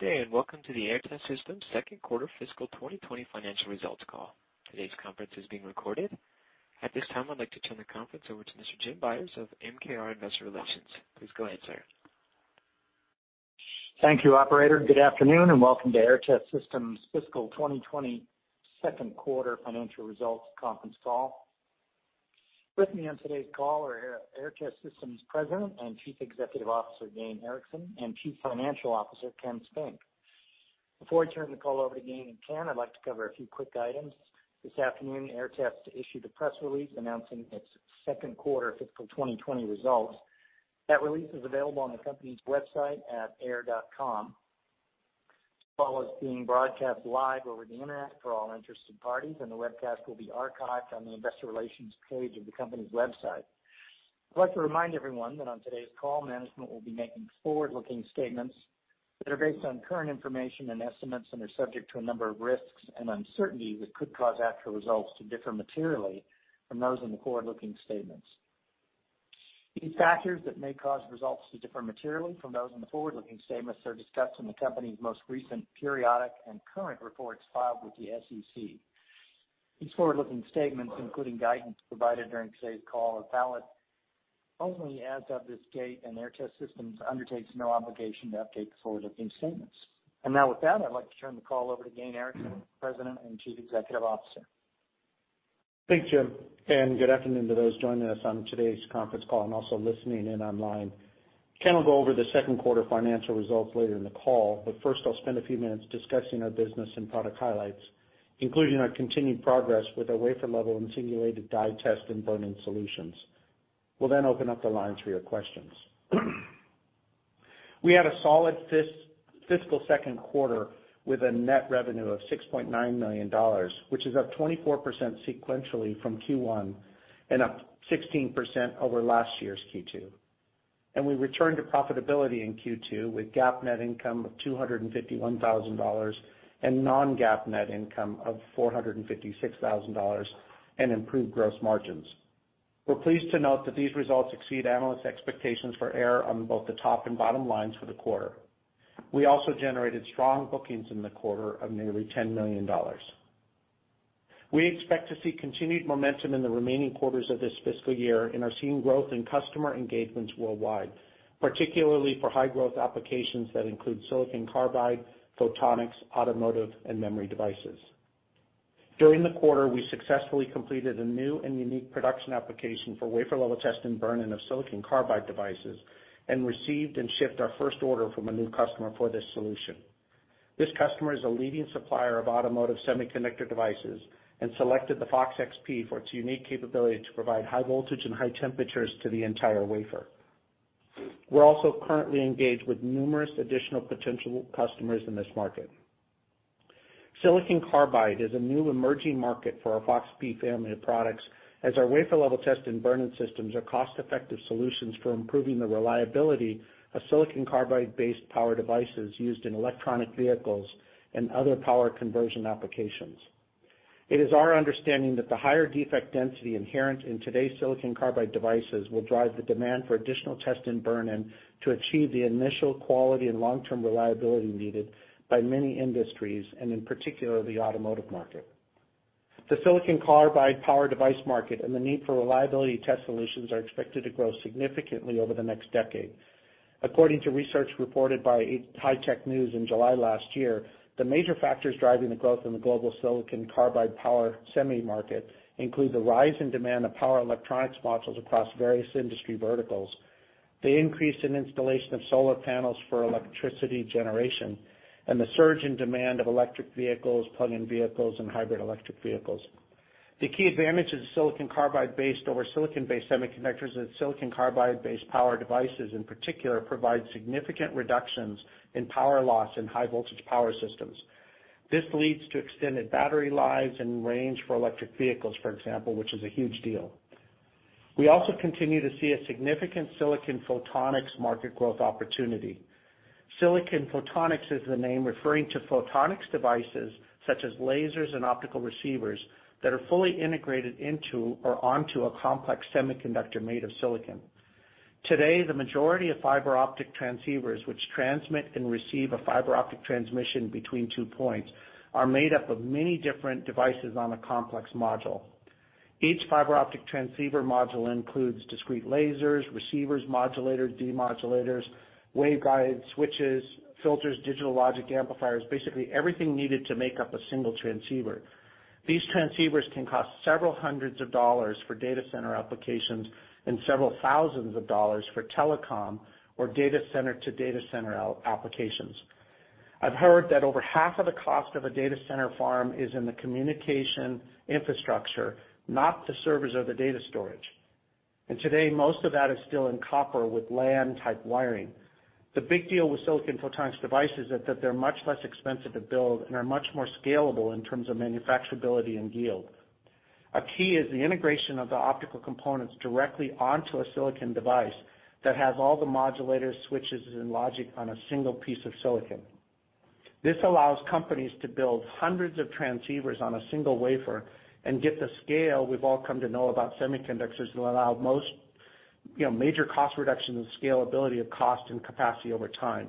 Good day. Welcome to the Aehr Test Systems second quarter fiscal 2020 financial results call. Today's conference is being recorded. At this time, I'd like to turn the conference over to Mr. Jim Byers of MKR Group. Please go ahead, sir. Thank you, operator. Good afternoon, and welcome to Aehr Test Systems fiscal 2020 second quarter financial results conference call. With me on today's call are Aehr Test Systems President and Chief Executive Officer, Gayn Erickson, and Chief Financial Officer, Ken Spink. Before I turn the call over to Gayn and Ken, I'd like to cover a few quick items. This afternoon, Aehr Test issued a press release announcing its second quarter fiscal 2020 results. That release is available on the company's website at aehr.com. This call is being broadcast live over the internet for all interested parties, and the webcast will be archived on the investor relations page of the company's website. I'd like to remind everyone that on today's call, management will be making forward-looking statements that are based on current information and estimates and are subject to a number of risks and uncertainties that could cause actual results to differ materially from those in the forward-looking statements. These factors that may cause results to differ materially from those in the forward-looking statements are discussed in the company's most recent periodic and current reports filed with the SEC. These forward-looking statements, including guidance provided during today's call, are valid only as of this date, and Aehr Test Systems undertakes no obligation to update the forward-looking statements. Now with that, I'd like to turn the call over to Gayn Erickson, President and Chief Executive Officer. Thanks, Jim. Good afternoon to those joining us on today's conference call, and also listening in online. Ken will go over the second quarter financial results later in the call. First, I'll spend a few minutes discussing our business and product highlights, including our continued progress with our wafer-level and singulated die test and burn-in solutions. We'll then open up the lines for your questions. We had a solid fiscal second quarter with a net revenue of $6.9 million, which is up 24% sequentially from Q1 and up 16% over last year's Q2. We returned to profitability in Q2 with GAAP net income of $251,000 and non-GAAP net income of $456,000 and improved gross margins. We're pleased to note that these results exceed analyst expectations for Aehr on both the top and bottom lines for the quarter. We also generated strong bookings in the quarter of nearly $10 million. We expect to see continued momentum in the remaining quarters of this fiscal year and are seeing growth in customer engagements worldwide, particularly for high-growth applications that include silicon carbide, photonics, automotive, and memory devices. During the quarter, we successfully completed a new and unique production application for wafer-level test and burn-in of silicon carbide devices and received and shipped our first order from a new customer for this solution. This customer is a leading supplier of automotive semiconductor devices and selected the FOX-XP for its unique capability to provide high voltage and high temperatures to the entire wafer. We're also currently engaged with numerous additional potential customers in this market. Silicon carbide is a new emerging market for our FOX-P family of products, as our wafer level test and burn-in systems are cost-effective solutions for improving the reliability of silicon carbide-based power devices used in electronic vehicles and other power conversion applications. It is our understanding that the higher defect density inherent in today's silicon carbide devices will drive the demand for additional test and burn-in to achieve the initial quality and long-term reliability needed by many industries, and in particular, the automotive market. The silicon carbide power device market and the need for reliability test solutions are expected to grow significantly over the next decade. According to research reported by High Tech News in July last year, the major factors driving the growth in the global silicon carbide power semi market include the rise in demand of power electronics modules across various industry verticals, the increase in installation of solar panels for electricity generation, and the surge in demand of electric vehicles, plug-in vehicles, and hybrid electric vehicles. The key advantage of silicon carbide based over silicon-based semiconductors is that silicon carbide-based power devices, in particular, provide significant reductions in power loss in high voltage power systems. This leads to extended battery lives and range for electric vehicles, for example, which is a huge deal. We also continue to see a significant silicon photonics market growth opportunity. Silicon photonics is the name referring to photonics devices such as lasers and optical receivers that are fully integrated into or onto a complex semiconductor made of silicon. Today, the majority of fiber optic transceivers, which transmit and receive a fiber optic transmission between two points, are made up of many different devices on a complex module. Each fiber optic transceiver module includes discrete lasers, receivers, modulators, demodulators, waveguides, switches, filters, digital logic amplifiers, basically everything needed to make up a single transceiver. These transceivers can cost several hundreds of dollars for data center applications and several thousands of dollars for telecom or data center to data center applications. I've heard that over half of the cost of a data center farm is in the communication infrastructure, not the servers or the data storage. Today, most of that is still in copper with LAN-type wiring. The big deal with silicon photonics devices is that they're much less expensive to build and are much more scalable in terms of manufacturability and yield. A key is the integration of the optical components directly onto a silicon device that has all the modulators, switches, and logic on a single piece of silicon. This allows companies to build hundreds of transceivers on a single wafer and get the scale we've all come to know about semiconductors that allow most major cost reduction and scalability of cost and capacity over time.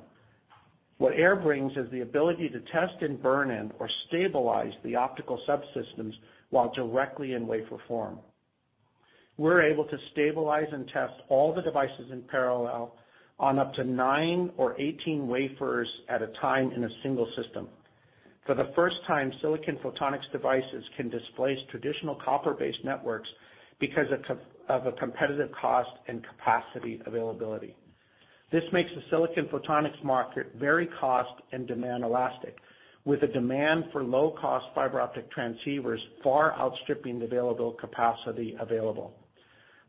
What Aehr brings is the ability to test and burn-in or stabilize the optical subsystems while directly in wafer form. We're able to stabilize and test all the devices in parallel on up to nine or 18 wafers at a time in a single system. For the first time, silicon photonics devices can displace traditional copper-based networks because of a competitive cost and capacity availability. This makes the silicon photonics market very cost and demand elastic, with a demand for low-cost fiber optic transceivers far outstripping the available capacity available.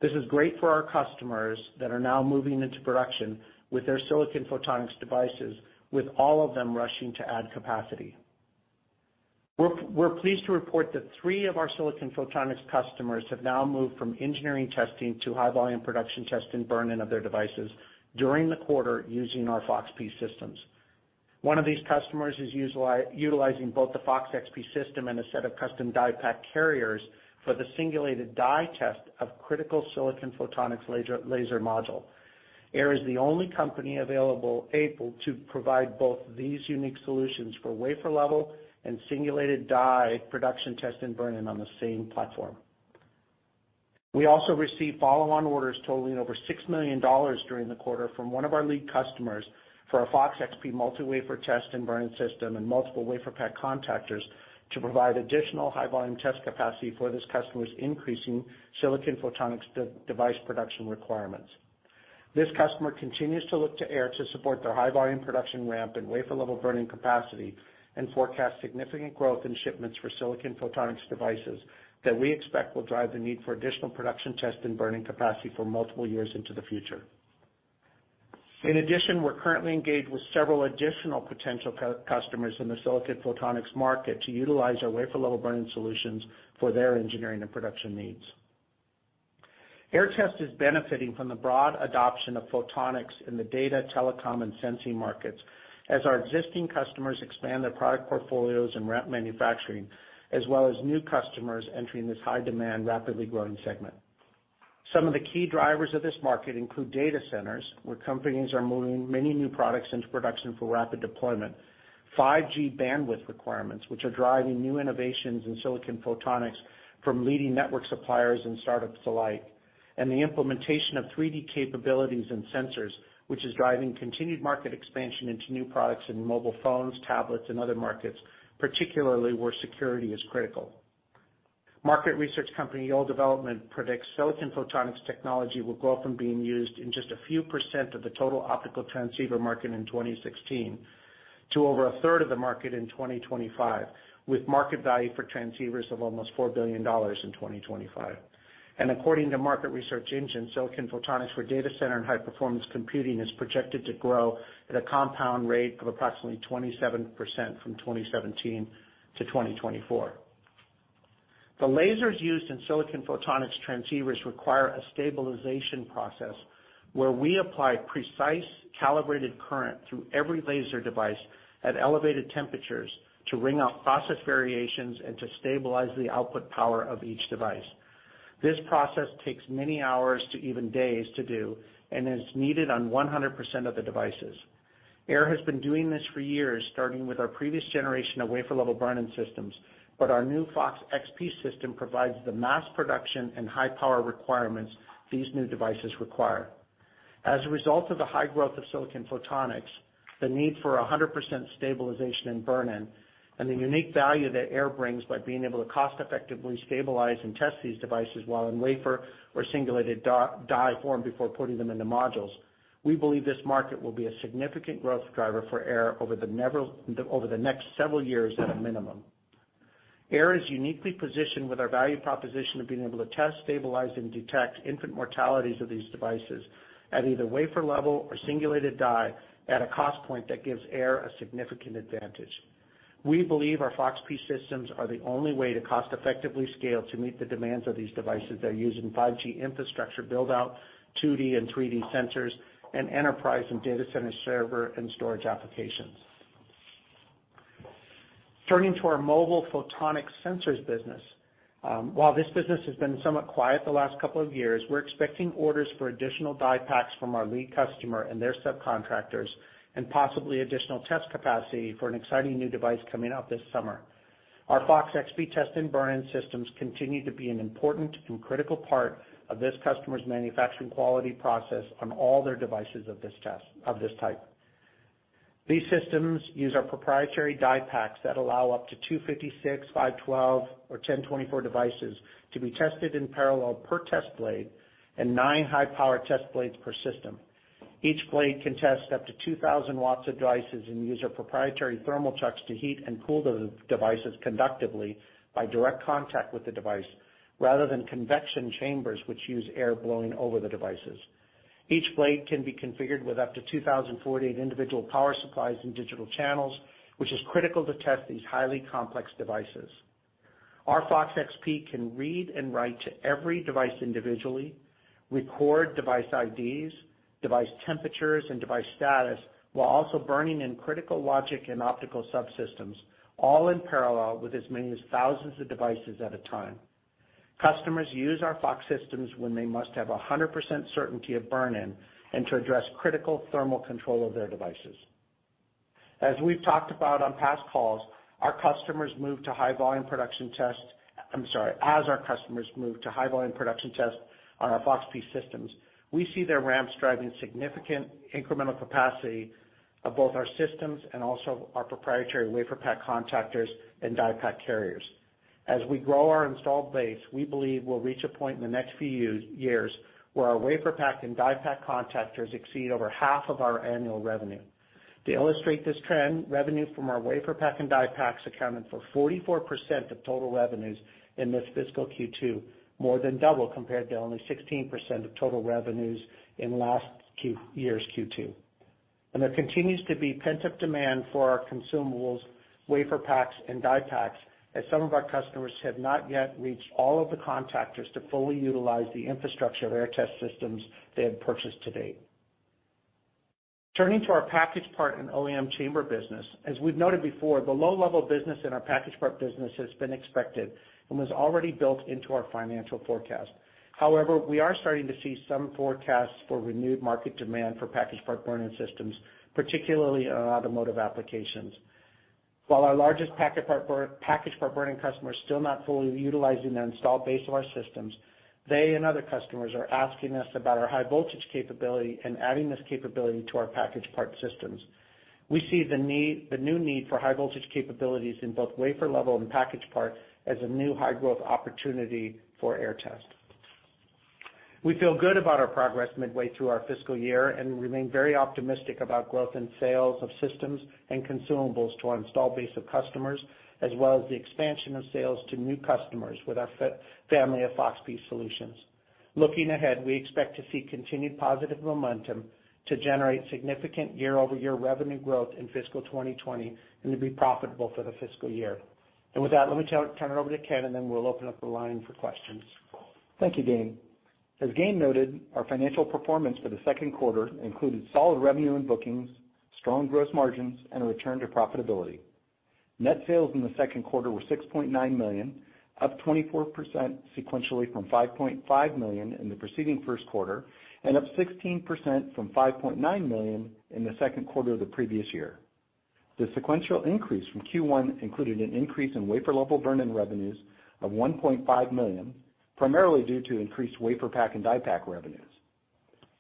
This is great for our customers that are now moving into production with their silicon photonics devices, with all of them rushing to add capacity. We're pleased to report that three of our silicon photonics customers have now moved from engineering testing to high-volume production test and burn-in of their devices during the quarter using our FOX-P systems. One of these customers is utilizing both the FOX-XP system and a set of custom DiePak Carriers for the singulated die test of critical silicon photonics laser module. Aehr is the only company available able to provide both these unique solutions for wafer-level and singulated die production test and burn-in on the same platform. We also received follow-on orders totaling over $6 million during the quarter from one of our lead customers for our FOX-XP multi-wafer test and burn system, and multiple WaferPak contactors to provide additional high-volume test capacity for this customer's increasing silicon photonics device production requirements. This customer continues to look to Aehr to support their high-volume production ramp and wafer-level burn-in capacity, forecast significant growth in shipments for silicon photonics devices that we expect will drive the need for additional production test and burn-in capacity for multiple years into the future. We're currently engaged with several additional potential customers in the silicon photonics market to utilize our wafer-level burn-in solutions for their engineering and production needs. Aehr Test is benefiting from the broad adoption of photonics in the data, telecom, and sensing markets, as our existing customers expand their product portfolios and ramp manufacturing, as well as new customers entering this high-demand, rapidly growing segment. Some of the key drivers of this market include data centers, where companies are moving many new products into production for rapid deployment. 5G bandwidth requirements, which are driving new innovations in silicon photonics from leading network suppliers and startups alike. The implementation of 3D capabilities and sensors, which is driving continued market expansion into new products in mobile phones, tablets, and other markets, particularly where security is critical. Market research company, Yole Développement, predicts silicon photonics technology will go from being used in just a few percent of the total optical transceiver market in 2016 to over a third of the market in 2025, with market value for transceivers of almost $4 billion in 2025. According to Market Research Engine, silicon photonics for data center and high-performance computing is projected to grow at a compound rate of approximately 27% from 2017 to 2024. The lasers used in silicon photonics transceivers require a stabilization process where we apply precise calibrated current through every laser device at elevated temperatures to wring out process variations and to stabilize the output power of each device. This process takes many hours to even days to do and is needed on 100% of the devices. Aehr has been doing this for years, starting with our previous generation of wafer-level burn-in systems, our new FOX-XP system provides the mass production and high power requirements these new devices require. As a result of the high growth of silicon photonics, the need for 100% stabilization and burn-in, and the unique value that Aehr brings by being able to cost-effectively stabilize and test these devices while in wafer or singulated die form before putting them into modules, we believe this market will be a significant growth driver for Aehr over the next several years at a minimum. Aehr is uniquely positioned with our value proposition of being able to test, stabilize, and detect infant mortalities of these devices at either wafer-level or singulated die at a cost point that gives Aehr a significant advantage. We believe our FOX-P systems are the only way to cost-effectively scale to meet the demands of these devices that are used in 5G infrastructure build-out, 2D and 3D sensors, and enterprise and data center server and storage applications. Turning to our mobile photonic sensors business. While this business has been somewhat quiet the last couple of years, we're expecting orders for additional DiePaks from our lead customer and their subcontractors, and possibly additional test capacity for an exciting new device coming out this summer. Our FOX-XP test and burn-in systems continue to be an important and critical part of this customer's manufacturing quality process on all their devices of this type. These systems use our proprietary DiePaks that allow up to 256, 512, or 1,024 devices to be tested in parallel per test blade and nine high-power test blades per system. Each blade can test up to 2,000 watts of devices and use our proprietary thermal chucks to heat and cool the devices conductively by direct contact with the device rather than convection chambers, which use air blowing over the devices. Each blade can be configured with up to 2,048 individual power supplies and digital channels, which is critical to test these highly complex devices. Our FOX-XP can read and write to every device individually, record device IDs, device temperatures and device status, while also burning in critical logic and optical subsystems, all in parallel with as many as thousands of devices at a time. Customers use our FOX systems when they must have 100% certainty of burn-in, and to address critical thermal control of their devices. As we've talked about on past calls, as our customers move to high-volume production tests on our FOX-P systems, we see their ramps driving significant incremental capacity of both our systems and also our proprietary WaferPak contactors and DiePak Carriers. As we grow our installed base, we believe we'll reach a point in the next few years where our WaferPak and DiePak contactors exceed over half of our annual revenue. To illustrate this trend, revenue from our WaferPak and DiePaks accounted for 44% of total revenues in this fiscal Q2, more than double compared to only 16% of total revenues in last year's Q2. There continues to be pent-up demand for our consumables, WaferPaks, and DiePaks, as some of our customers have not yet reached all of the contactors to fully utilize the infrastructure of Aehr Test Systems they have purchased to date. Turning to our packaged part and OEM chamber business, as we've noted before, the low-level business in our packaged part business has been expected and was already built into our financial forecast. However, we are starting to see some forecasts for renewed market demand for packaged part burn-in systems, particularly on automotive applications. While our largest packaged part burn-in customer is still not fully utilizing the installed base of our systems, they and other customers are asking us about our high voltage capability and adding this capability to our packaged part systems. We see the new need for high voltage capabilities in both wafer level and packaged part as a new high-growth opportunity for Aehr Test. We feel good about our progress midway through our fiscal year, and remain very optimistic about growth in sales of systems and consumables to our installed base of customers, as well as the expansion of sales to new customers with our family of FOX-P solutions. Looking ahead, we expect to see continued positive momentum to generate significant year-over-year revenue growth in fiscal 2020, and to be profitable for the fiscal year. With that, let me turn it over to Ken, and then we'll open up the line for questions. Thank you, Gayn. As Gayn noted, our financial performance for the second quarter included solid revenue and bookings, strong gross margins, and a return to profitability. Net sales in the second quarter were $6.9 million, up 24% sequentially from $5.5 million in the preceding first quarter, and up 16% from $5.9 million in the second quarter of the previous year. The sequential increase from Q1 included an increase in wafer-level burn-in revenues of $1.5 million, primarily due to increased WaferPak and DiePak revenues.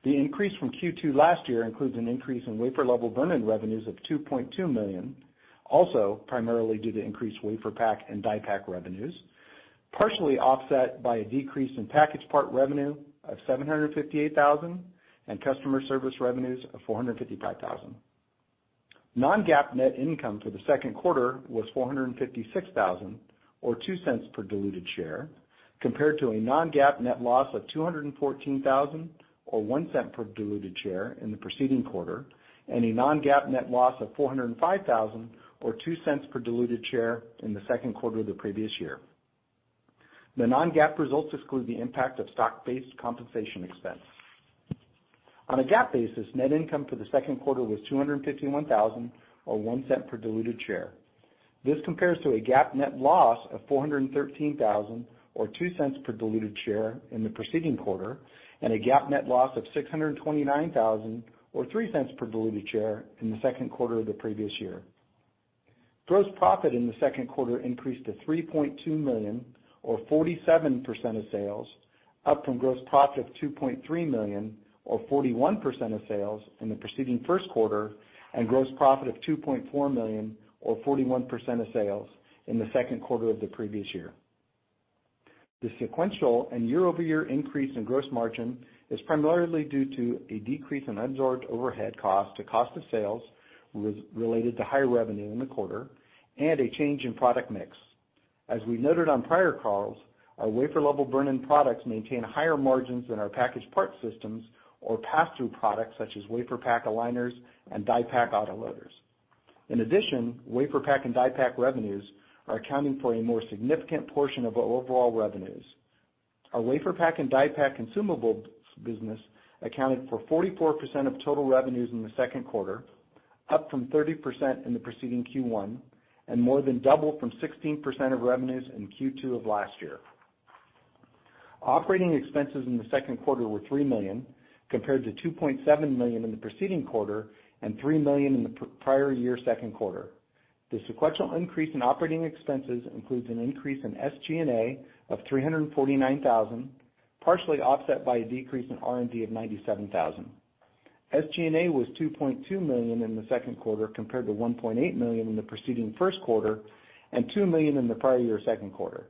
The increase from Q2 last year includes an increase in wafer-level burn-in revenues of $2.2 million, also primarily due to increased WaferPak and DiePak revenues, partially offset by a decrease in packaged part revenue of $758,000, and customer service revenues of $455,000. Non-GAAP net income for the second quarter was $456,000, or $0.02 per diluted share, compared to a non-GAAP net loss of $214,000, or $0.01 per diluted share in the preceding quarter, and a non-GAAP net loss of $405,000, or $0.02 per diluted share in the second quarter of the previous year. The non-GAAP results exclude the impact of stock-based compensation expense. On a GAAP basis, net income for the second quarter was $251,000, or $0.01 per diluted share. This compares to a GAAP net loss of $413,000, or $0.02 per diluted share in the preceding quarter, and a GAAP net loss of $629,000, or $0.03 per diluted share in the second quarter of the previous year. Gross profit in the second quarter increased to $3.2 million, or 47% of sales, up from gross profit of $2.3 million, or 41% of sales in the preceding first quarter, and gross profit of $2.4 million or 41% of sales in the second quarter of the previous year. The sequential and year-over-year increase in gross margin is primarily due to a decrease in absorbed overhead cost to cost of sales, related to higher revenue in the quarter, and a change in product mix. As we noted on prior calls, our wafer-level burn-in products maintain higher margins than our packaged part systems or pass-through products, such as WaferPak Aligners and DiePak Autoloaders. In addition, WaferPak and DiePak revenues are accounting for a more significant portion of our overall revenues. Our WaferPak and DiePak consumables business accounted for 44% of total revenues in the second quarter, up from 30% in the preceding Q1, and more than double from 16% of revenues in Q2 of last year. Operating expenses in the second quarter were $3 million, compared to $2.7 million in the preceding quarter, and $3 million in the prior year second quarter. The sequential increase in operating expenses includes an increase in SG&A of $349,000, partially offset by a decrease in R&D of $97,000. SG&A was $2.2 million in the second quarter, compared to $1.8 million in the preceding first quarter, and $2 million in the prior year second quarter.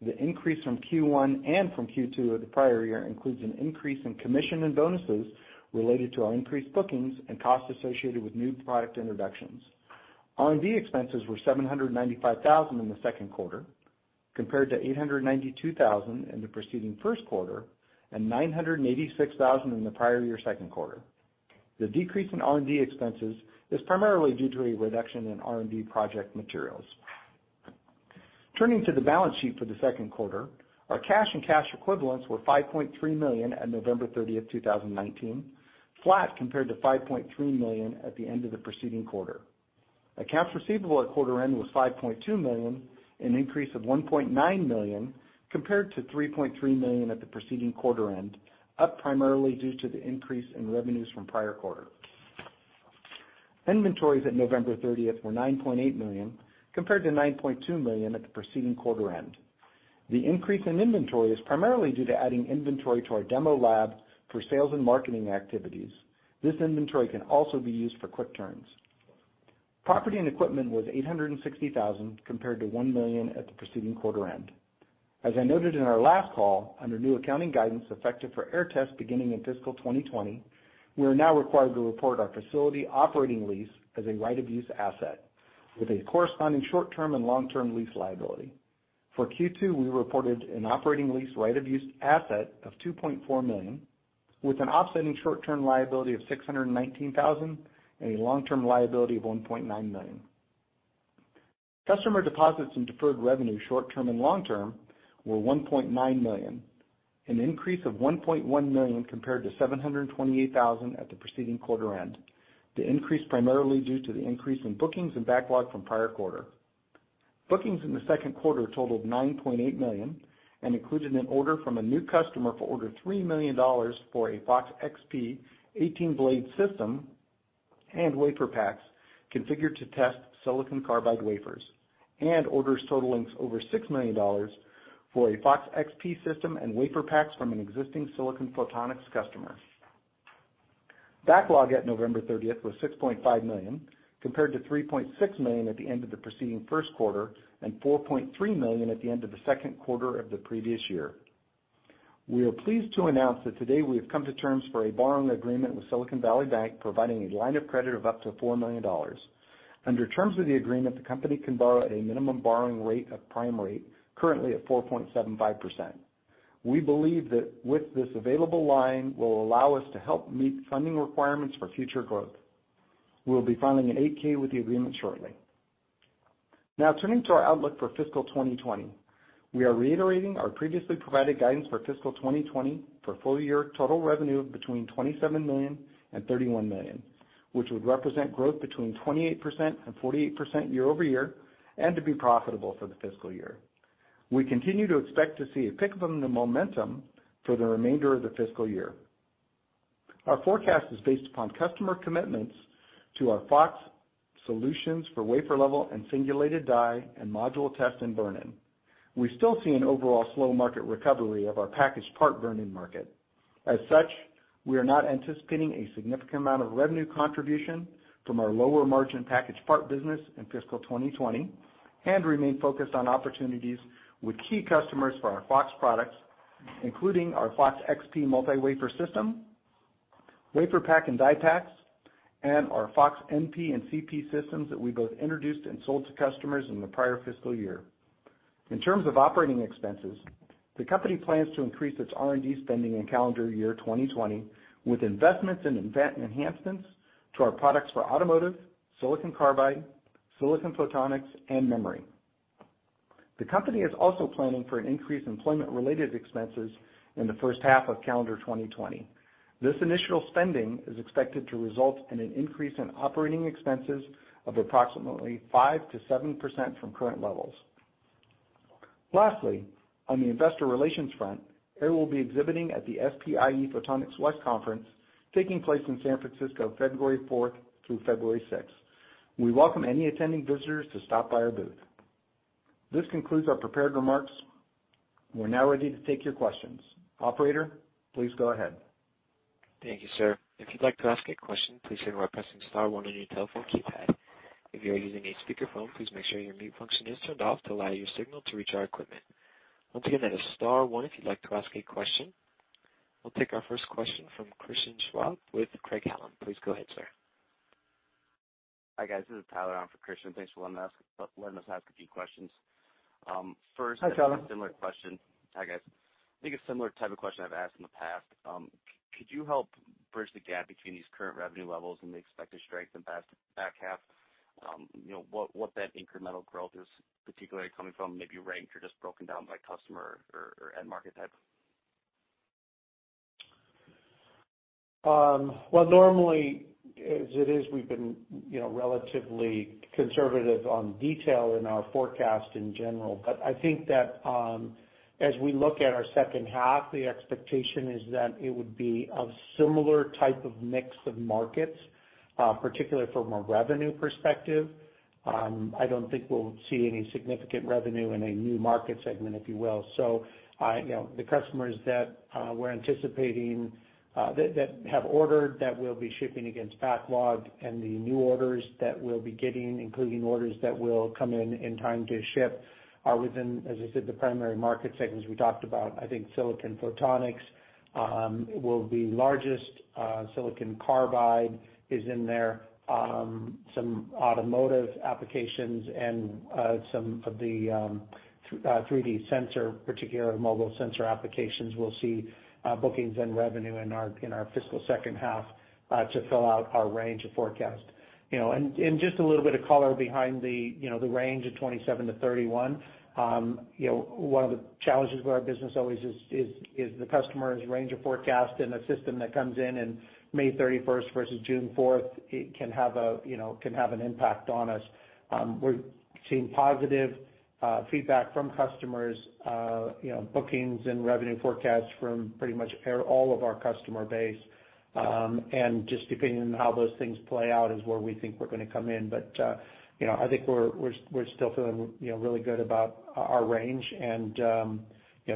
The increase from Q1 and from Q2 of the prior year includes an increase in commission and bonuses related to our increased bookings and costs associated with new product introductions. R&D expenses were $795,000 in the second quarter, compared to $892,000 in the preceding first quarter, and $986,000 in the prior year second quarter. The decrease in R&D expenses is primarily due to a reduction in R&D project materials. Turning to the balance sheet for the second quarter, our cash and cash equivalents were $5.3 million at November 30th, 2019, flat compared to $5.3 million at the end of the preceding quarter. Accounts receivable at quarter end was $5.2 million, an increase of $1.9 million compared to $3.3 million at the preceding quarter end, up primarily due to the increase in revenues from prior quarter. Inventories at November 30th were $9.8 million, compared to $9.2 million at the preceding quarter end. The increase in inventory is primarily due to adding inventory to our demo lab for sales and marketing activities. This inventory can also be used for quick turns. Property and equipment was $860,000 compared to $1 million at the preceding quarter end. As I noted in our last call, under new accounting guidance effective for Aehr Test beginning in fiscal 2020, we are now required to report our facility operating lease as a right-of-use asset with a corresponding short-term and long-term lease liability. For Q2, we reported an operating lease right-of-use asset of $2.4 million, with an offsetting short-term liability of $619,000 and a long-term liability of $1.9 million. Customer deposits and deferred revenue, short-term and long-term, were $1.9 million, an increase of $1.1 million compared to $728,000 at the preceding quarter end. The increase primarily due to the increase in bookings and backlog from prior quarter. Bookings in the second quarter totaled $9.8 million and included an order from a new customer for $3 million for a FOX-XP 18-blade system and WaferPaks configured to test silicon carbide wafers, and orders totaling over $6 million for a FOX-XP system and WaferPaks from an existing silicon photonics customer. Backlog at November 30th was $6.5 million, compared to $3.6 million at the end of the preceding first quarter and $4.3 million at the end of the second quarter of the previous year. We are pleased to announce that today we have come to terms for a borrowing agreement with Silicon Valley Bank, providing a line of credit of up to $4 million. Under terms of the agreement, the company can borrow at a minimum borrowing rate of prime rate, currently at 4.75%. We believe that with this available line, will allow us to help meet funding requirements for future growth. We'll be filing an 8-K with the agreement shortly. Now turning to our outlook for fiscal 2020. We are reiterating our previously provided guidance for fiscal 2020 for full-year total revenue of between $27 million and $31 million, which would represent growth between 28% and 48% year-over-year, and to be profitable for the fiscal year. We continue to expect to see a pick-up in the momentum for the remainder of the fiscal year. Our forecast is based upon customer commitments to our FOX solutions for wafer-level and singulated die and module test and burn-in. We still see an overall slow market recovery of our packaged part burn-in market. As such, we are not anticipating a significant amount of revenue contribution from our lower-margin packaged part business in fiscal 2020 and remain focused on opportunities with key customers for our FOX products, including our FOX-XP multi-wafer system, WaferPak, and DiePaks, and our FOX-NP and FOX-CP systems that we both introduced and sold to customers in the prior fiscal year. In terms of operating expenses, the company plans to increase its R&D spending in calendar year 2020 with investments in enhancements to our products for automotive, silicon carbide, silicon photonics, and memory. The company is also planning for an increase in employment-related expenses in the first half of calendar 2020. This initial spending is expected to result in an increase in operating expenses of approximately 5%-7% from current levels. Lastly, on the investor relations front, Aehr will be exhibiting at the SPIE Photonics West Conference taking place in San Francisco, February 4th through February 6th. We welcome any attending visitors to stop by our booth. This concludes our prepared remarks. We're now ready to take your questions. Operator, please go ahead. Thank you, sir. If you'd like to ask a question, please do so by pressing star one on your telephone keypad. If you are using a speakerphone, please make sure your mute function is turned off to allow your signal to reach our equipment. Once again, that is star one if you'd like to ask a question. We'll take our first question from Christian Schwab with Craig-Hallum. Please go ahead, sir. Hi, guys. This is Tyler on for Christian. Thanks for letting us ask a few questions. Hi, Tyler. Similar question. Hi, guys. I think a similar type of question I've asked in the past. Could you help bridge the gap between these current revenue levels and the expected strength in back half? What that incremental growth is particularly coming from, maybe ranked or just broken down by customer or end market type? Well, normally, as it is, we've been relatively conservative on detail in our forecast in general. I think that as we look at our second half, the expectation is that it would be a similar type of mix of markets, particularly from a revenue perspective. I don't think we'll see any significant revenue in a new market segment, if you will. The customers that we're anticipating that have ordered, that we'll be shipping against backlog, and the new orders that we'll be getting, including orders that will come in in time to ship, are within, as I said, the primary market segments we talked about. I think silicon photonics will be largest. silicon carbide is in there. Some automotive applications and some of the 3D sensor, particularly mobile sensor applications, we'll see bookings and revenue in our fiscal second half to fill out our range of forecast. Just a little bit of color behind the range of $27 million-$31 million. One of the challenges with our business always is the customer's range of forecast, and a system that comes in in May 31st versus June 4th, it can have an impact on us. We're seeing positive feedback from customers, bookings, and revenue forecasts from pretty much all of our customer base. Just depending on how those things play out is where we think we're going to come in. I think we're still feeling really good about our range and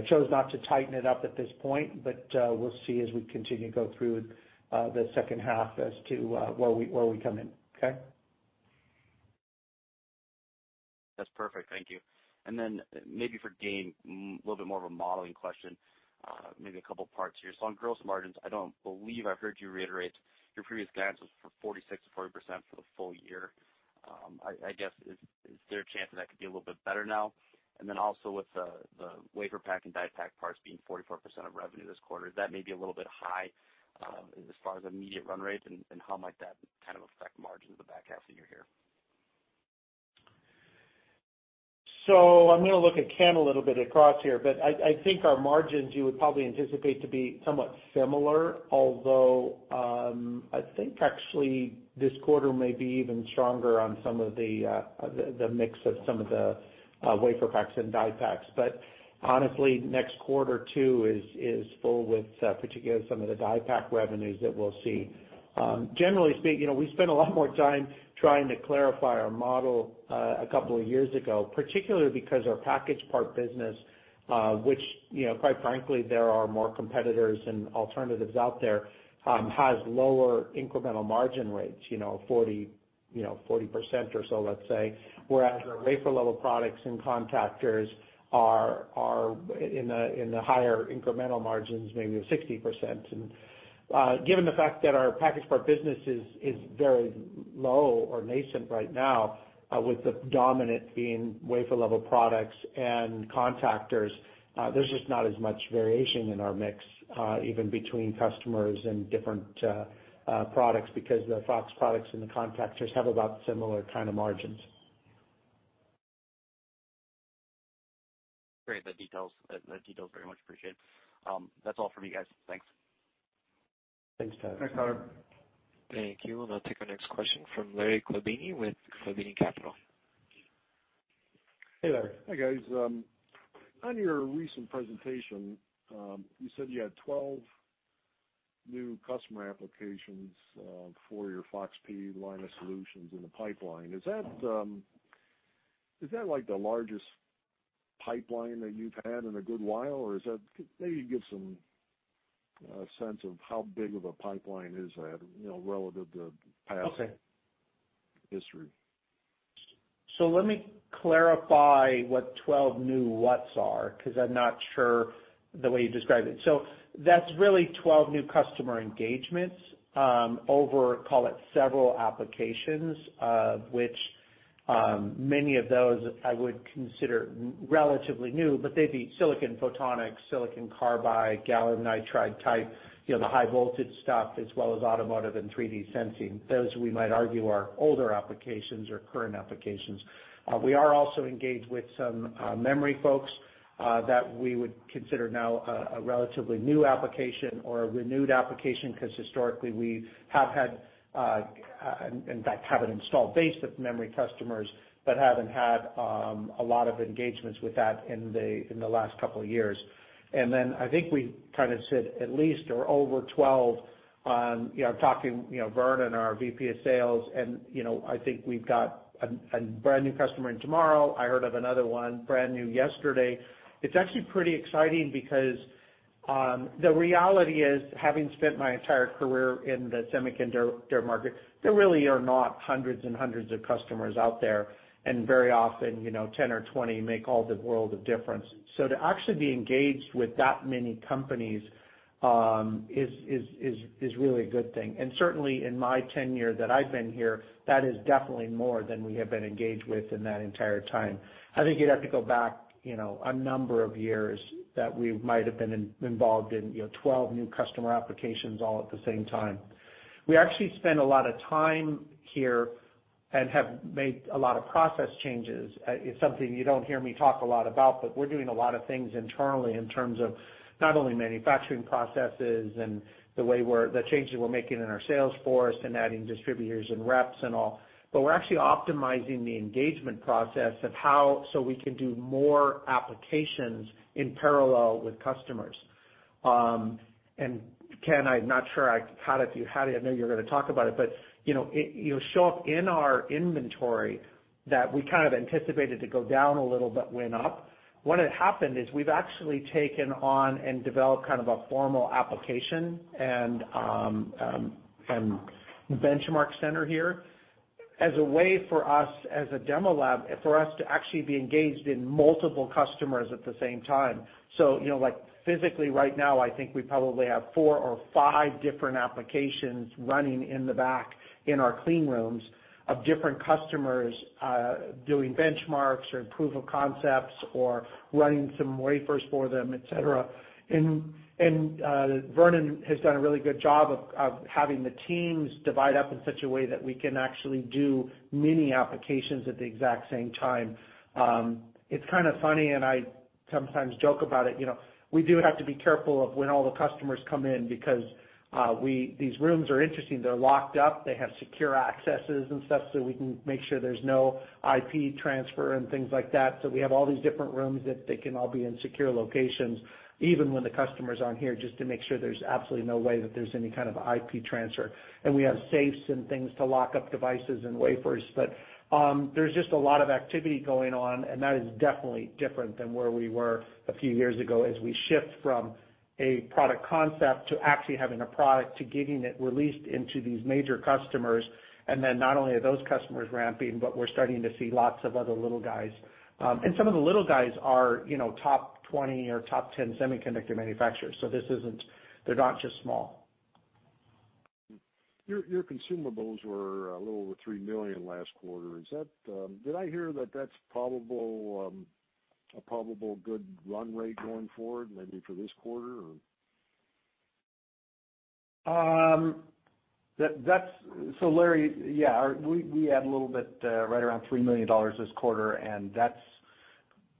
chose not to tighten it up at this point, but we'll see as we continue to go through the second half as to where we come in. Okay? That's perfect. Thank you. Maybe for Gayn, a little bit more of a modeling question, maybe a couple parts here. On gross margins, I don't believe I've heard you reiterate your previous guidance was for 46%-40% for the full year. I guess is there a chance that could be a little bit better now? With the WaferPak and DiePak parts being 44% of revenue this quarter, that may be a little bit high, as far as immediate run rates, and how might that kind of affect margins in the back half of the year here? I'm going to look at Ken a little bit across here, but I think our margins you would probably anticipate to be somewhat similar, although, I think actually this quarter may be even stronger on some of the mix of some of the WaferPaks and DiePaks. Honestly, next quarter too is full with, particularly some of the DiePak revenues that we'll see. Generally speaking, we spent a lot more time trying to clarify our model a couple of years ago, particularly because our package part business, which quite frankly, there are more competitors and alternatives out there, has lower incremental margin rates, 40% or so, let's say. Whereas our wafer-level products and contactors are in the higher incremental margins, maybe of 60%. Given the fact that our package part business is very low or nascent right now, with the dominant being wafer-level products and contactors, there's just not as much variation in our mix, even between customers and different products because the FOX products and the contactors have about similar kind of margins. Great. The details very much appreciated. That's all for me, guys. Thanks. Thanks, Tyler. Thanks, Tyler. Thank you. We'll now take our next question from Larry Chlebina with Chlebina Capital. Hey, Larry. Hi, guys. On your recent presentation, you said you had 12 new customer applications for your FOX-P line of solutions in the pipeline. Is that the largest pipeline that you've had in a good while? Maybe give some sense of how big of a pipeline is that? Okay history. Let me clarify what 12 new whats are, because I'm not sure the way you described it. That's really 12 new customer engagements, over call it several applications, of which, many of those I would consider relatively new, but they'd be silicon photonics, silicon carbide, gallium nitride type, the high voltage stuff as well as automotive and 3D sensing. Those we might argue are older applications or current applications. We are also engaged with some memory folks, that we would consider now a relatively new application or a renewed application, because historically we have had, in fact, have an installed base of memory customers, but haven't had a lot of engagements with that in the last couple of years. I think we kind of said at least or over 12 on talking Vernon, our VP of sales, I think we've got a brand new customer in tomorrow. I heard of another one brand new yesterday. It's actually pretty exciting because the reality is, having spent my entire career in the semiconductor market, there really are not hundreds and hundreds of customers out there, and very often, 10 or 20 make all the world of difference. To actually be engaged with that many companies is really a good thing. Certainly in my tenure that I've been here, that is definitely more than we have been engaged with in that entire time. I think you'd have to go back a number of years that we might have been involved in 12 new customer applications all at the same time. We actually spend a lot of time here and have made a lot of process changes. It's something you don't hear me talk a lot about, but we're doing a lot of things internally in terms of not only manufacturing processes and the changes we're making in our sales force and adding distributors and reps and all, but we're actually optimizing the engagement process of how, so we can do more applications in parallel with customers. Ken, I'm not sure I had it, I know you're going to talk about it, but it show up in our inventory that we kind of anticipated to go down a little, but went up. What had happened is we've actually taken on and developed kind of a formal application and benchmark center here as a way for us as a demo lab, for us to actually be engaged in multiple customers at the same time. Like physically right now, I think we probably have four or five different applications running in the back in our clean rooms of different customers, doing benchmarks or proof of concepts or running some wafers for them, et cetera. Vernon has done a really good job of having the teams divide up in such a way that we can actually do many applications at the exact same time. It's kind of funny, and I sometimes joke about it. We do have to be careful of when all the customers come in because these rooms are interesting. They're locked up, they have secure accesses and stuff so we can make sure there's no IP transfer and things like that. We have all these different rooms that they can all be in secure locations, even when the customers aren't here, just to make sure there's absolutely no way that there's any kind of IP transfer. We have safes and things to lock up devices and wafers. There's just a lot of activity going on, and that is definitely different than where we were a few years ago as we shift from a product concept to actually having a product, to getting it released into these major customers. Not only are those customers ramping, but we're starting to see lots of other little guys. Some of the little guys are top 20 or top 10 semiconductor manufacturers. They're not just small. Your consumables were a little over $3 million last quarter. Did I hear that that's a probable good run rate going forward, maybe for this quarter? Larry, yeah, we had a little bit right around $3 million this quarter. That's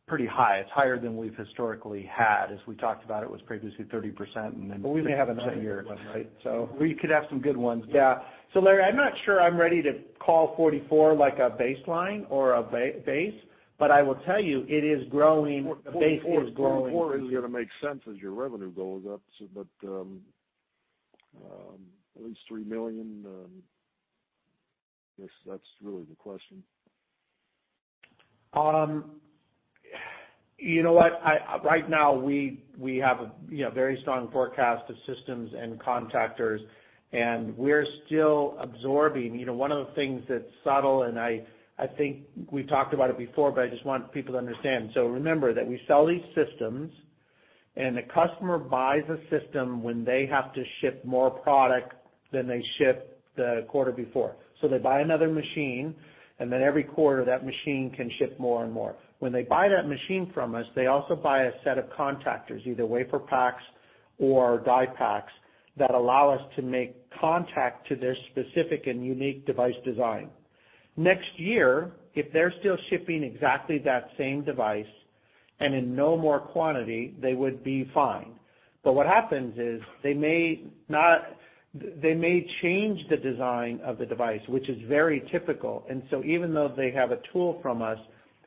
pretty high. It's higher than we've historically had. As we talked about, it was previously 30%. We may have another good one, right? We could have some good ones. Yeah. Larry, I'm not sure I'm ready to call 44 like a baseline or a base, but I will tell you, the base is growing. 44 is going to make sense as your revenue goes up, but at least $3 million, I guess that's really the question. You know what? Right now, we have a very strong forecast of systems and contactors, and we're still absorbing. One of the things that's subtle, and I think we've talked about it before, but I just want people to understand. remember that we sell these systems, and the customer buys a system when they have to ship more product than they shipped the quarter before. they buy another machine, and then every quarter, that machine can ship more and more. When they buy that machine from us, they also buy a set of contactors, either WaferPaks or DiePaks, that allow us to make contact to their specific and unique device design. Next year, if they're still shipping exactly that same device and in no more quantity, they would be fine. what happens is they may change the design of the device, which is very typical. Even though they have a tool from us,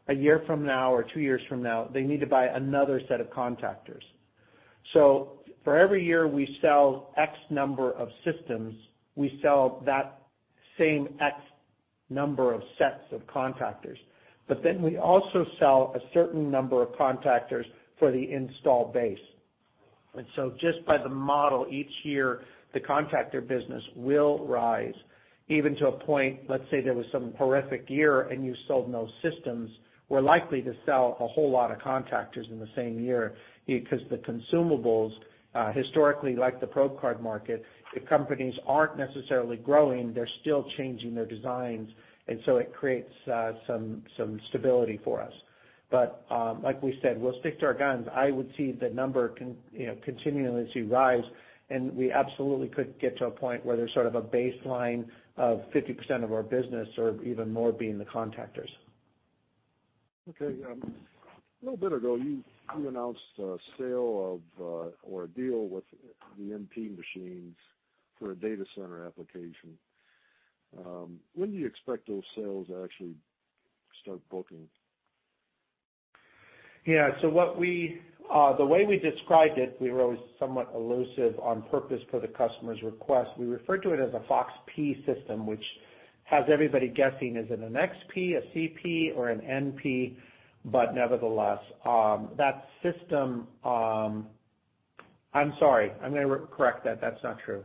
a year from now or two years from now, they need to buy another set of contactors. For every year we sell X number of systems, we sell that same X number of sets of contactors. We also sell a certain number of contactors for the installed base. Just by the model, each year, the contactor business will rise even to a point, let's say there was some horrific year and you sold no systems, we're likely to sell a whole lot of contactors in the same year because the consumables, historically, like the probe card market, if companies aren't necessarily growing, they're still changing their designs, and so it creates some stability for us. Like we said, we'll stick to our guns. I would see the number continually to rise, and we absolutely could get to a point where there's sort of a baseline of 50% of our business or even more being the contactors. Okay. A little bit ago, you announced a sale of or a deal with the FOX-NP machines for a data center application. When do you expect those sales to actually start booking? The way we described it, we were always somewhat elusive on purpose per the customer's request. We refer to it as a FOX-P system, which has everybody guessing, is it an XP, a FOX-CP, or a FOX-NP? Nevertheless, that system I'm sorry. I'm going to correct that. That's not true.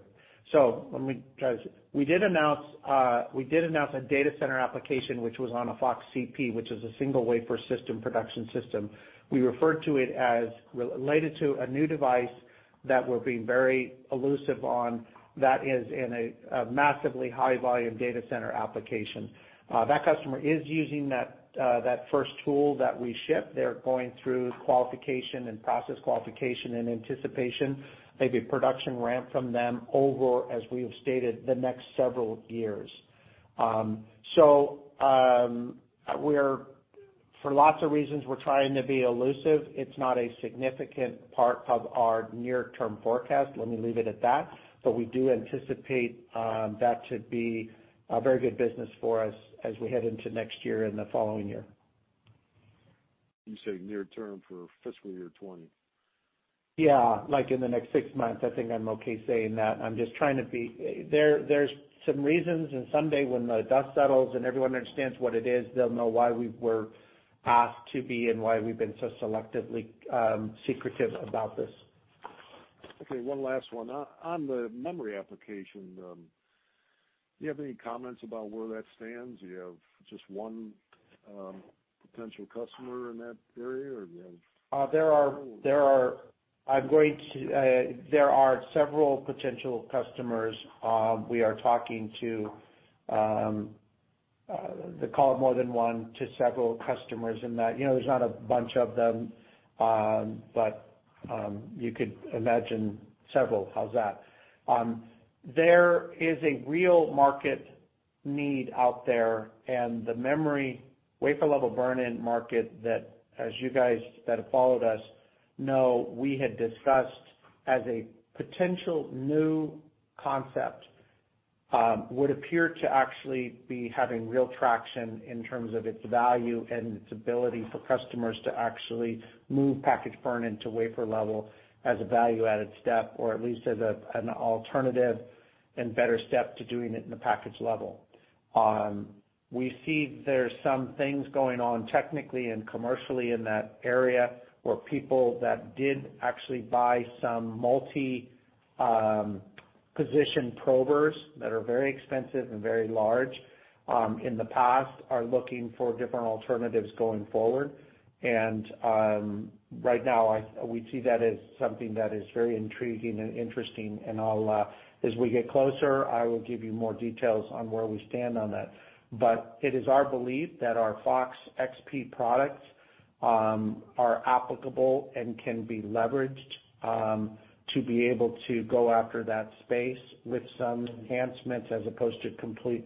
We did announce a data center application, which was on a FOX-CP, which is a single wafer system production system. We referred to it as related to a new device that we're being very elusive on, that is in a massively high volume data center application. That customer is using that first tool that we shipped. They're going through qualification and process qualification in anticipation, maybe production ramp from them over, as we have stated, the next several years. For lots of reasons, we're trying to be elusive. It's not a significant part of our near-term forecast. Let me leave it at that. We do anticipate that to be a very good business for us as we head into next year and the following year. You say near term for fiscal year 2020. Yeah, like in the next six months, I think I'm okay saying that. There's some reasons, and someday when the dust settles and everyone understands what it is, they'll know why we were asked to be and why we've been so selectively secretive about this. Okay, one last one. On the memory application, do you have any comments about where that stands? Do you have just one potential customer in that area? There are several potential customers we are talking to. To call it more than one to several customers in that. There's not a bunch of them, but you could imagine several. How's that? There is a real market need out there, and the memory wafer-level burn-in market that, as you guys that have followed us know, we had discussed as a potential new concept, would appear to actually be having real traction in terms of its value and its ability for customers to actually move package burn-in to wafer level as a value-added step, or at least as an alternative and better step to doing it in the package level. We see there's some things going on technically and commercially in that area where people that did actually buy some multi-position probers that are very expensive and very large in the past are looking for different alternatives going forward. Right now, we see that as something that is very intriguing and interesting. As we get closer, I will give you more details on where we stand on that. It is our belief that our FOX-XP products are applicable and can be leveraged to be able to go after that space with some enhancements as opposed to complete.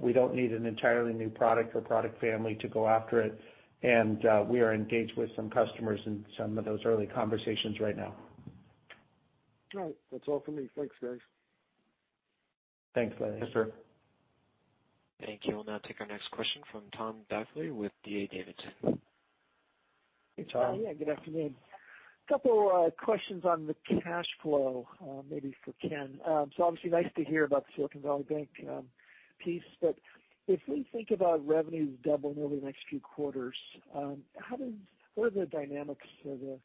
We don't need an entirely new product or product family to go after it. We are engaged with some customers in some of those early conversations right now. All right. That's all for me. Thanks, guys. Thanks, Larry. Yes, sir. Thank you. We'll now take our next question from Tom Diffely with D.A. Davidson. Hey, Tom. Yeah, good afternoon. Couple questions on the cash flow, maybe for Ken. Obviously nice to hear about the Silicon Valley Bank piece, but if we think about revenues doubling over the next few quarters, what are the dynamics of the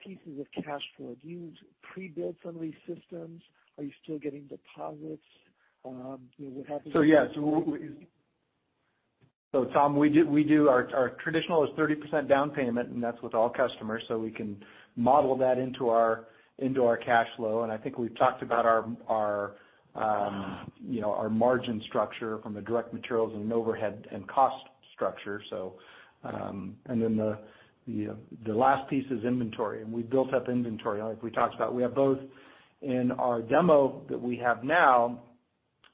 pieces of cash flow? Do you pre-build some of these systems? Are you still getting deposits? Tom, our traditional is 30% down payment, and that's with all customers. We can model that into our cash flow. I think we've talked about our margin structure from the direct materials and overhead and cost structure. The last piece is inventory, and we've built up inventory. Like we talked about, we have both in our demo that we have now,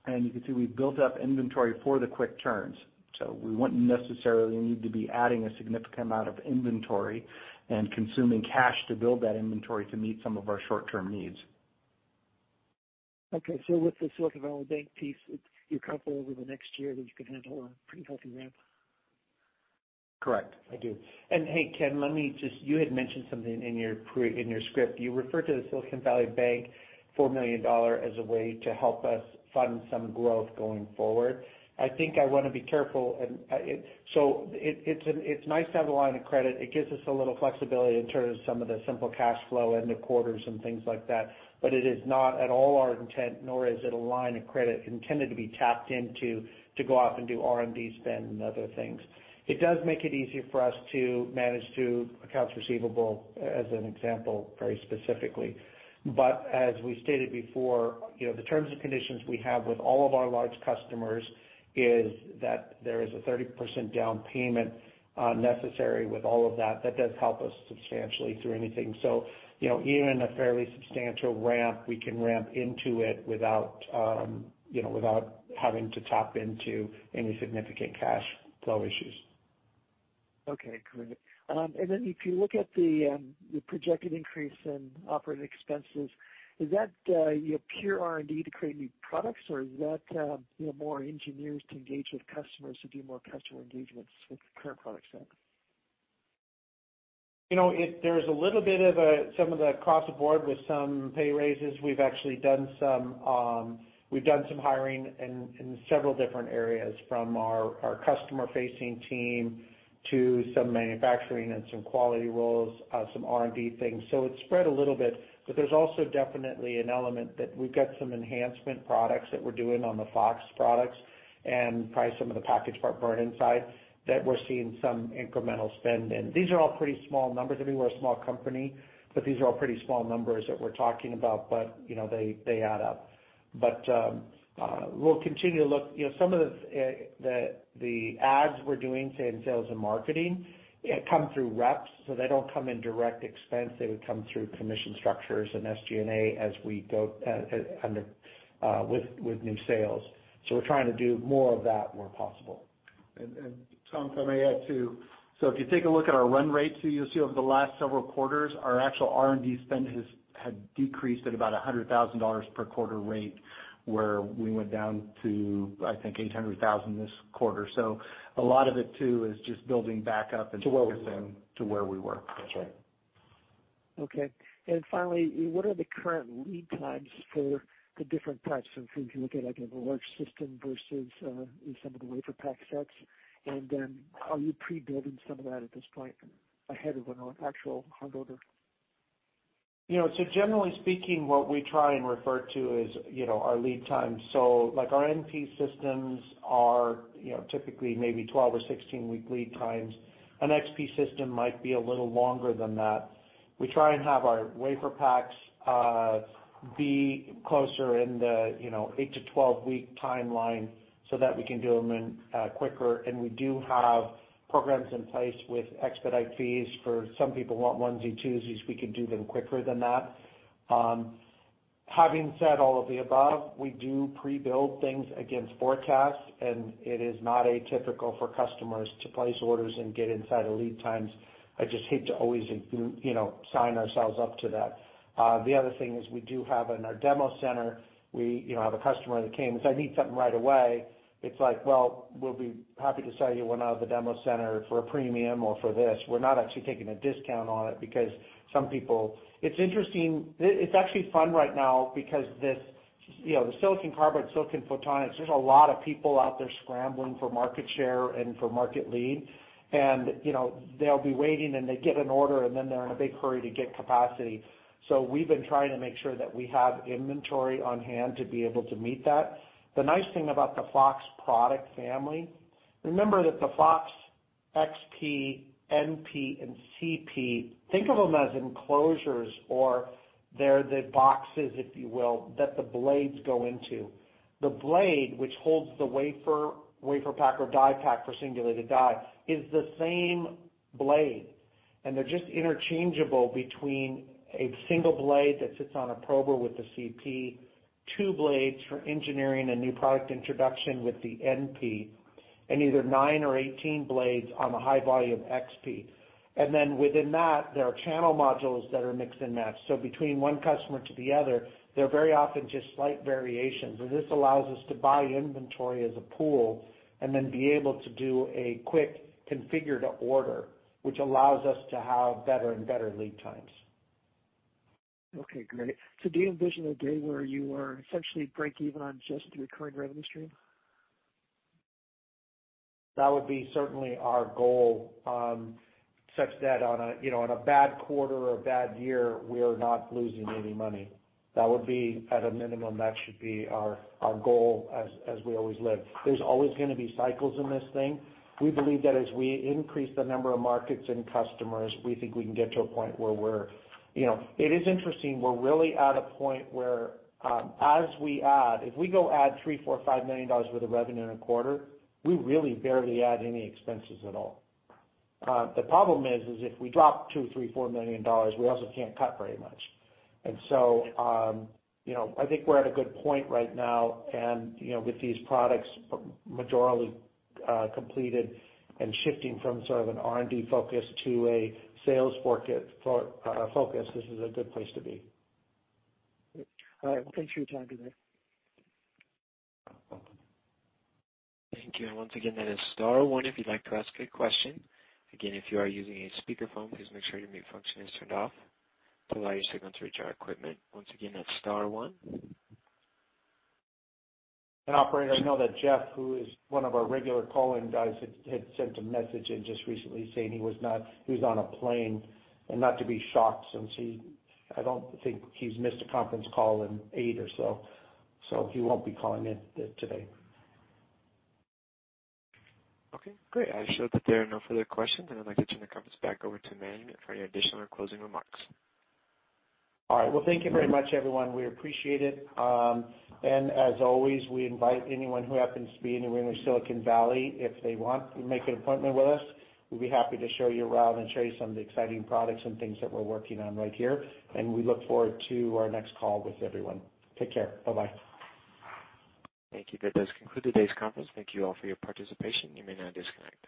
and you can see we've built up inventory for the quick turns. We wouldn't necessarily need to be adding a significant amount of inventory and consuming cash to build that inventory to meet some of our short-term needs. Okay, with the Silicon Valley Bank piece, you're comfortable over the next year that you can handle a pretty healthy ramp? Correct. I do. Hey, Ken, you had mentioned something in your script. You referred to the Silicon Valley Bank $4 million as a way to help us fund some growth going forward. I think I want to be careful. It's nice to have the line of credit. It gives us a little flexibility in terms of some of the simple cash flow end of quarters and things like that. It is not at all our intent, nor is it a line of credit intended to be tapped into to go off and do R&D spend and other things. It does make it easier for us to manage to accounts receivable, as an example, very specifically. As we stated before, the terms and conditions we have with all of our large customers is that there is a 30% down payment necessary with all of that. That does help us substantially through anything. Even a fairly substantial ramp, we can ramp into it without having to tap into any significant cash flow issues. Okay, great. If you look at the projected increase in operating expenses, is that your pure R&D to create new products, or is that more engineers to engage with customers to do more customer engagements with the current product set? There's a little bit of some of the across the board with some pay raises. We've actually done some hiring in several different areas, from our customer-facing team to some manufacturing and some quality roles, some R&D things. It's spread a little bit, but there's also definitely an element that we've got some enhancement products that we're doing on the FOX products and probably some of the package part burn-in side that we're seeing some incremental spend in. These are all pretty small numbers. I mean, we're a small company, but these are all pretty small numbers that we're talking about, but they add up. We'll continue to look. Some of the ads we're doing, say, in sales and marketing, come through reps, so they don't come in direct expense. They would come through commission structures and SG&A with new sales. We're trying to do more of that where possible. Tom, if I may add, too. If you take a look at our run rates, you'll see over the last several quarters, our actual R&D spend had decreased at about $100,000 per quarter rate, where we went down to, I think, $800,000 this quarter. A lot of it, too, is just building back up. To where we were. That's right. Okay. Finally, what are the current lead times for the different types of things you look at, like a large system versus some of the WaferPak sets? Then are you pre-building some of that at this point ahead of an actual hard order? Generally speaking, what we try and refer to is our lead times. Like our MP systems are typically maybe 12 or 16-week lead times. An XP system might be a little longer than that. We try and have our WaferPaks be closer in the 8 to 12-week timeline so that we can do them in quicker, and we do have programs in place with expedite fees for some people who want onesie-twosies, we can do them quicker than that. Having said all of the above, we do pre-build things against forecasts, and it is not atypical for customers to place orders and get inside of lead times. I just hate to always sign ourselves up to that. The other thing is we do have in our demo center, we have a customer that came and said, "I need something right away." It's like, "Well, we'll be happy to sell you one out of the demo center for a premium or for this." We're not actually taking a discount on it because It's interesting. It's actually fun right now because The silicon carbide, silicon photonics, there's a lot of people out there scrambling for market share and for market lead. They'll be waiting, and they get an order, and then they're in a big hurry to get capacity. We've been trying to make sure that we have inventory on-hand to be able to meet that. The nice thing about the FOX product family, remember that the FOX-XP, NP, and CP, think of them as enclosures or they're the boxes, if you will, that the blades go into. The blade, which holds the WaferPak or DiePak for singulated die, is the same blade. They're just interchangeable between a single blade that sits on a prober with the CP, two blades for engineering a new product introduction with the NP, and either nine or 18 blades on the high volume XP. Within that, there are channel modules that are mixed and matched. Between one customer to the other, they're very often just slight variations, and this allows us to buy inventory as a pool and then be able to do a quick configure-to-order, which allows us to have better and better lead times. Okay, great. Do you envision a day where you are essentially break even on just the recurring revenue stream? That would be certainly our goal, such that on a bad quarter or a bad year, we're not losing any money. At a minimum, that should be our goal as we always live. There's always going to be cycles in this thing. We believe that as we increase the number of markets and customers, we think we can get to a point where It is interesting, we're really at a point where if we go add $3 million, $4 million, $5 million worth of revenue in a quarter, we really barely add any expenses at all. The problem is if we drop $2 million, $3 million, $4 million, we also can't cut very much. I think we're at a good point right now, and with these products majorly completed and shifting from sort of an R&D focus to a sales focus, this is a good place to be. Great. All right. Well, thanks for your time today. Thank you. Once again, that is star one if you'd like to ask a question. Again, if you are using a speakerphone, please make sure your mute function is turned off to allow your signal to reach our equipment. Once again, that's star one. Operator, I know that Jeff, who is one of our regular call-in guys, had sent a message in just recently saying he was on a plane, and not to be shocked since I don't think he's missed a conference call in eight or so. He won't be calling in today. Okay, great. I show that there are no further questions, and I'd like to turn the conference back over to Gayn for any additional closing remarks. All right. Well, thank you very much, everyone. We appreciate it. As always, we invite anyone who happens to be in and around Silicon Valley, if they want, make an appointment with us. We'll be happy to show you around and show you some of the exciting products and things that we're working on right here. We look forward to our next call with everyone. Take care. Bye-bye. Thank you. That does conclude today's conference. Thank you all for your participation. You may now disconnect.